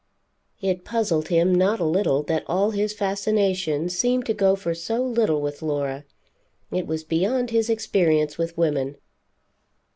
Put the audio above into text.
It puzzled him not a little that all his fascinations seemed to go for so little with Laura; it was beyond his experience with women.